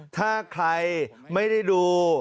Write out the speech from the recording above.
ถ้าใครไม่ได้ดู